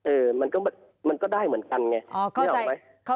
เออมันก็ได้เหมือนกันไงไม่รู้ไหม